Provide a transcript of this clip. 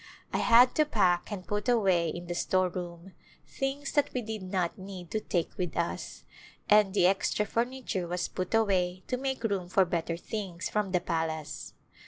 1 had to pack and put away in the store room things that we did not need to take with us, and the extra furniture was put away to make room for better things from the palace.